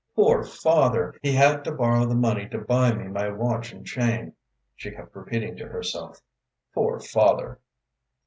Poor father! He had to borrow the money to buy me my watch and chain," she kept repeating to herself. "Poor father!"